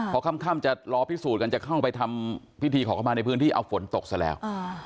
พอค่ำจะรอพิสูจน์กันจะเข้าไปทำพิธีขอเข้ามาในพื้นที่เอาฝนตกซะแล้ว